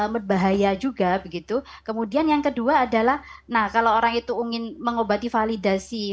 berbahaya juga begitu kemudian yang kedua adalah nah kalau orang itu ingin mengobati validasi